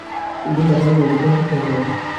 ডিম বা ছানাতেই ওকে সন্তুষ্ট হতে হল।